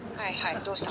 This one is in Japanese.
どうしたの？